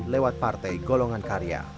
lewat partai golongan karya